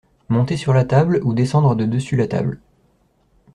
Monter sur la table ou descendre de dessus la table.